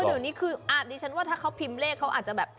เดี๋ยวนี้คือดิฉันว่าถ้าเขาพิมพ์เลขเขาอาจจะแบบ